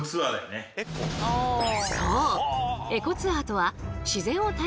そう！